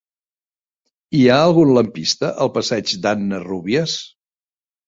Hi ha algun lampista al passeig d'Anna Rúbies?